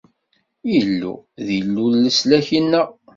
Illu, d Illu n leslak-nneɣ.